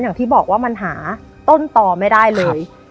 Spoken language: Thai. อย่างที่บอกว่ามันหาต้นต่อไม่ได้เลย